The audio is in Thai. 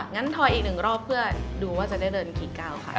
งั้นถอยอีกนึงรอบเธอดูว่าจะได้เริ่มกี่เก้าสินะคะ